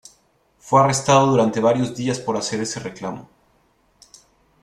Fue arrestado durante varios días por hacer ese reclamo.